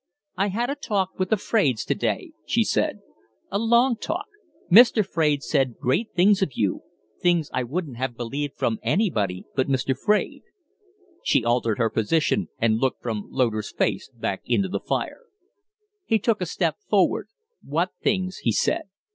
"I had a talk with the Fraides to day," she said "A long talk. Mr. Fraide said great things of you things I wouldn't have believed from anybody but Mr. Fraide." She altered her position and looked from Loder's face back into the fire. He took a step forward. "What things?" he said.